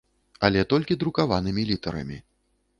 Але толькі друкаванымі літарамі.